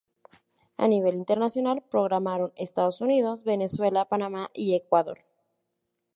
A nivel internacional programaron Estados Unidos, Venezuela, Panamá y Ecuador.